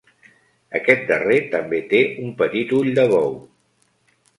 Aquest darrer també té un petit ull de bou.